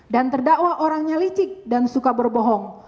dan terdakwa orangnya licik dan suka berbohong